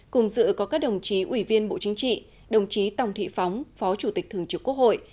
cùng dự có các đồng chí ủy viên bộ chính trị đồng chí tòng thị phóng phó chủ tịch thường trực quốc hội